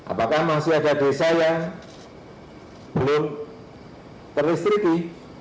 apakah masih ada desa yang belum terlistriki